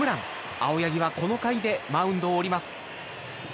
青柳はこの回でマウンドを降ります。